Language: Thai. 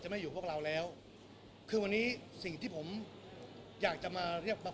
ไม่อยู่พวกเราแล้วคือวันนี้สิ่งที่ผมอยากจะมาเรียกว่า